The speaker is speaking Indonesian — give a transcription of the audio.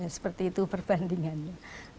seperti itu perbandingannya